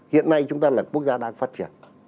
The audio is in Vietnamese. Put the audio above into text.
hiện nay chúng ta là quốc gia đang phát triển